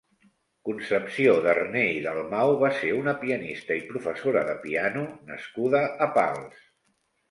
Concepció Darné i Dalmau va ser una pianista i professora de piano nascuda a Pals.